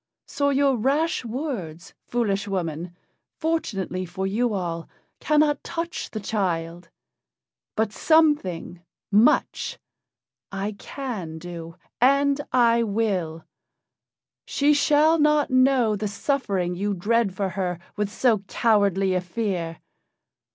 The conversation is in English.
"So your rash words, foolish woman, fortunately for you all, cannot touch the child. But something much I can do, and I will. She shall not know the suffering you dread for her with so cowardly a fear.